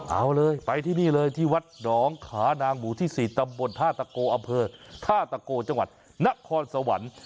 เอาเลยไปที่นี่เลยที่วัดหนองขานางหมู่ที่๔ตำบลท่าตะโกอำเภอท่าตะโกจังหวัดนครสวรรค์